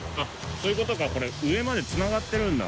そういうことかこれ上までつながってるんだ。